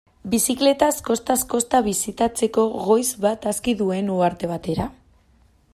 Bizikletaz kostaz-kosta bisitatzeko goiz bat aski duen uharte batera?